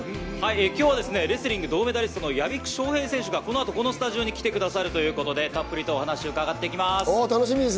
今日はレスリング銅メダルの屋比久翔平選手がこの後、このスタジオに来てくれるということでたっぷりとお話を伺っていきます。